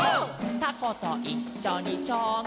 「たこといっしょにしょうがやねぎも」